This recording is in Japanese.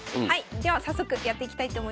では早速やっていきたいと思います。